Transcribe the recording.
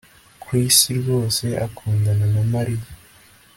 Chris rwose akundana na Mariya